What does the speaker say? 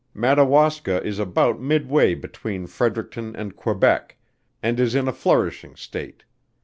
Madawaska is about midway between Fredericton and Quebec, and is in a flourishing state.